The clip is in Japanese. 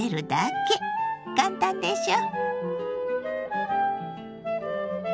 簡単でしょ！